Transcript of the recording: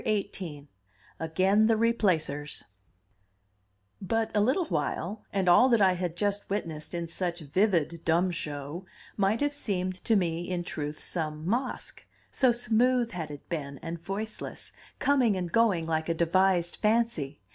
XVIII: Again the Replacers But a little while, and all that I had just witnessed in such vivid dumb show might have seemed to me in truth some masque; so smooth had it been, and voiceless, coming and going like a devised fancy.